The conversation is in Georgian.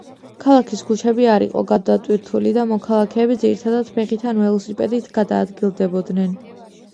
ქალაქის ქუჩები არ იყო გადატვირთული და მოქალაქეები ძირითადად ფეხით ან ველოსიპედით გადაადგილდებოდნენ.